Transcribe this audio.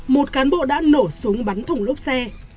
một cán bộ đã nổ súng bắn thùng lốp xe